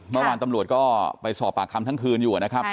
เมื่อวานตำรวจก็ไปสอบปากคำทั้งคืนอยู่นะครับ